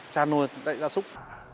chăn nuôi ra súc